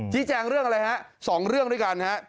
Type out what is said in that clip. ชี้แจงเรื่องอะไรครับสองเรื่องด้วยกันครับ